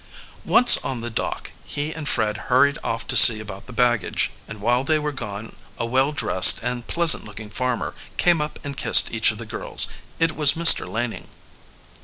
Once on the dock, he and Fred hurried off to see about the baggage, and while they were gone a well dressed and pleasant looking farmer came up and kissed each of the girls. It was Mr. Laning.